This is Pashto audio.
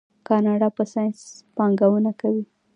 کاناډا په ساینس پانګونه کوي.